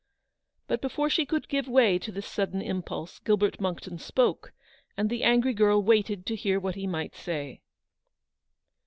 But before she could give way to this sudden impulse, Gilbert Monckton spoke, and the angry girl waited to hear what he might say.